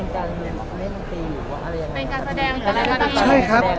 เป็นการแสดงอะไร